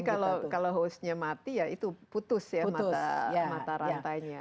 tapi kalau hostnya mati ya itu putus ya mata rantainya